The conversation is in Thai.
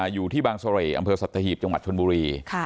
อยู่ที่บางศรละย์บังสตถานฮีบจังหมาชนบุรี